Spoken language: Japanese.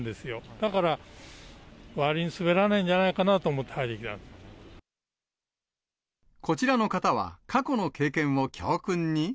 だから、わりに滑らないんじゃないかなと思って、こちらの方は、過去の経験を教訓に。